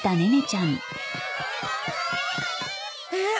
えっ！